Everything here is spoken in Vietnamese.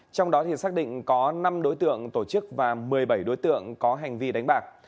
trong đó xác định có năm đối tượng tổ chức và một mươi bảy đối tượng có hành vi đánh bạc